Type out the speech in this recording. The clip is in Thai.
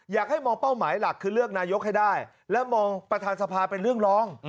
อยากให้มองเป้าหมายหลักคือเลือกนายกให้ได้และมองประธานสภาเป็นเรื่องรอง